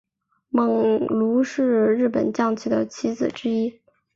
猛鹿是日本将棋的棋子之一。